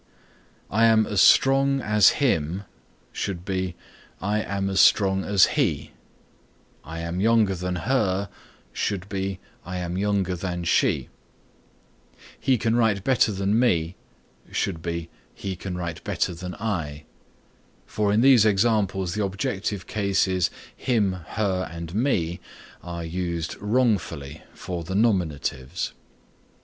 "I am as strong as him" should be "I am as strong as he"; "I am younger than her" should be "I am younger than she;" "He can write better than me" should be "He can write better than I," for in these examples the objective cases him, her and me are used wrongfully for the nominatives.